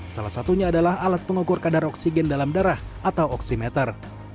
salah satunya adalah alat pengukur kadar oksigen dalam darah atau oksimeter